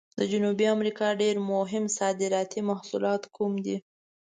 د جنوبي امریکا ډېر مهم صادراتي محصولات کوم دي؟